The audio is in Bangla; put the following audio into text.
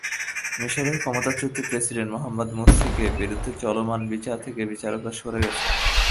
মিসরের ক্ষমতাচ্যুত প্রেসিডেন্ট মোহাম্মদ মুরসির বিরুদ্ধে চলমান বিচার থেকে বিচারকেরা সরে গেছেন।